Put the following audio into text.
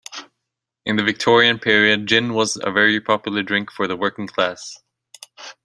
In the Victorian period gin was a very popular drink for the working class